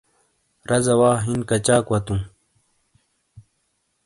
رازا وا ہن کچاک وتوں؟